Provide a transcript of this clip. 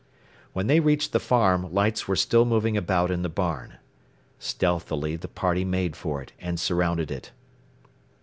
When they reached the farm, lights were still moving about in the barn. Stealthily the party made for it, and surrounded it.